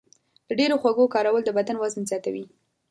د ډېرو خوږو کارول د بدن وزن زیاتوي.